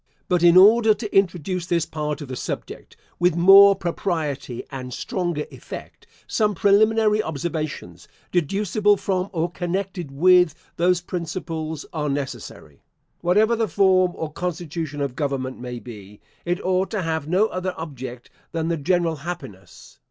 But in order to introduce this part of the subject with more propriety, and stronger effect, some preliminary observations, deducible from, or connected with, those principles, are necessary. Whatever the form or constitution of government may be, it ought to have no other object than the general happiness.